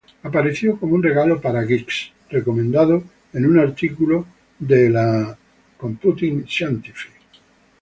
Apareció como un "regalo para geeks" recomendado en un artículo de la Scientific Computing.